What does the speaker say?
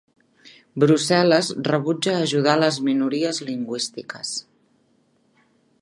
Brussel·les rebutja ajudar les minories lingüístiques.